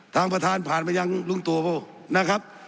ทางประธานภาพการณ์มาหรือทางลงตัว